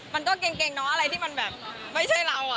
มันก็เกรงเนาะอะไรที่มันแบบไม่ใช่เรา